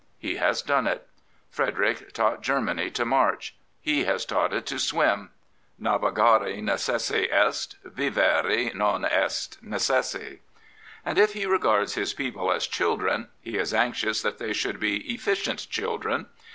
He has done it. F|;ederick taught Germany to march ; he has taught it to swim. " Navigare necesse est, ' Vivere non est necesse.*' And if he regards his people as children, he is anxious that they should be efficient children.